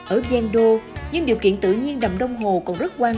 ở giang đô những điều kiện tự nhiên đầm đông hồ còn rất quan trọng